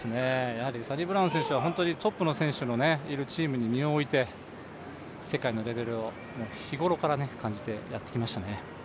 サニブラウン選手はトップの選手のいるチームに身を置いて世界のレベルを日頃から感じてやってきましたね。